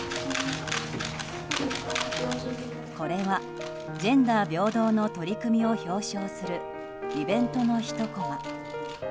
これはジェンダー平等の取り組みを表彰するイベントのひとコマ。